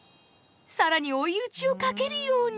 更に追い打ちをかけるように。